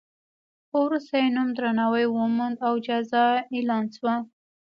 خو وروسته یې نوم درناوی وموند او جایزه اعلان شوه.